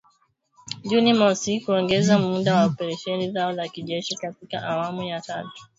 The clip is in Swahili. Juni mosi kuongeza muda wa operesheni zao za kijeshi katika awamu ya tatu, kwa sababu tishio hilo halijatokomezwa.